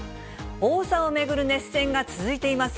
王座を巡る熱戦が続いています。